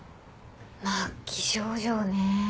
末期症状ね。